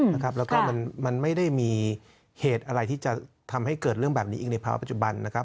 แล้วก็มันไม่ได้มีเหตุอะไรที่จะทำให้เกิดเรื่องแบบนี้อีกในภาวะปัจจุบันนะครับ